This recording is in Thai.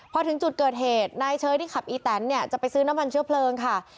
พอถึงจุดเกิดเหตุนายเชยที่ขับอีแตนเนี่ยจะไปซื้อน้ำมันเชื้อเพลิงค่ะ